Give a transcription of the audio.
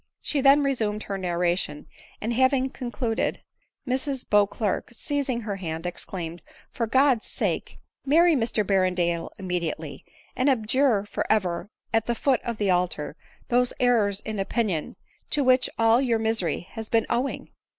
, She then resumed her narration ; and having conclu ded it, Mrs Beauclerc, seizing her hand, exclaimed," For God's sake, marry Mr Berrendale immediately ; and abjure for ever at the foot of the altar, those errors in opinion to which all your misery has been owing